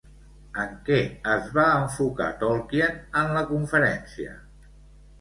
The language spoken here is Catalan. En què es va enfocar Tolkien en la conferència?